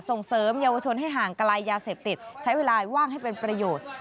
ส่งเสริมเยาวชนให้ห่างไกลยาเสพติดใช้เวลาว่างให้เป็นประโยชน์